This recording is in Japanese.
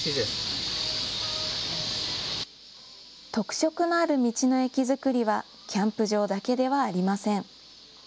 特色のある道の駅作りはキャンプ場だけではありません。